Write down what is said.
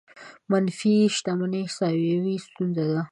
منفي شتمنۍ احصايوي ستونزه ده.